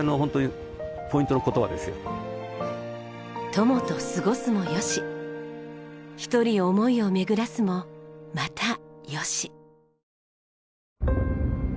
友と過ごすも良し一人思いを巡らすもまた良し。